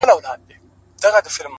له غرونو واوښتم ـ خو وږي نس ته ودرېدم ـ